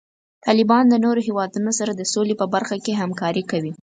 طالبان د نورو هیوادونو سره د سولې په برخه کې همکاري کوي.